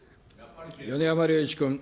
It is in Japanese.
米山隆一君。